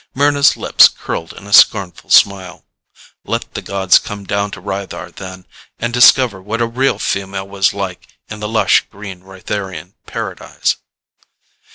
Mryna's lips curled in a scornful smile. Let the gods come down to Rythar, then, and discover what a real female was like in the lush, green, Rytharian paradise.